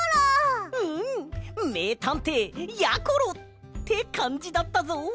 うんめいたんていやころ！ってかんじだったぞ！